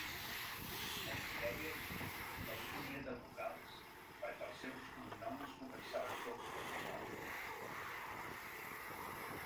Els hi deien la "Línia de vocals" perquè els seus cognoms començaven tots per vocal.